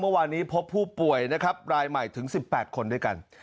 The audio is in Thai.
เมื่อวานนี้พบผู้ป่วยนะครับรายใหม่ถึง๑๘คนด้วยกัน